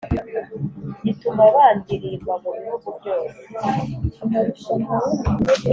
gituma bandirimba mu bihugu byose